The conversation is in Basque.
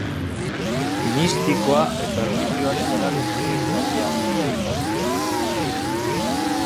Mistikoa eta erlijioaren eraberritzaile handia izan zen.